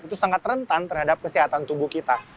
itu sangat rentan terhadap kesehatan tubuh kita